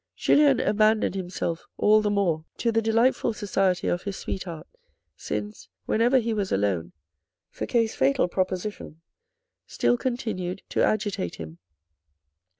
Julien abandoned himself all the more to the delightful society of his sweetheart, since, whenever he was alone, Fouque's fatal proposition still continued to agitate him.